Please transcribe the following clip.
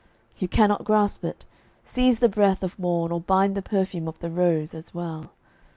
You cannot grasp it. Seize the breath of morn Or bind the perfume of the rose, as well.